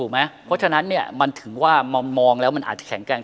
เพราะฉะนั้นมันถึงว่ามองแล้วมันอาจจะแข็งแกร